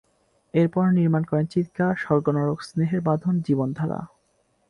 এরপর নির্মাণ করেন "চিৎকার", "স্বর্গ নরক", "স্নেহের বাঁধন", "জীবন ধারা"।